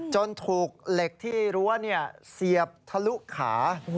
ถูกเหล็กที่รั้วเสียบทะลุขา